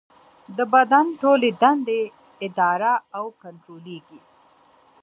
د بدن ټولې دندې اداره او کنټرولېږي.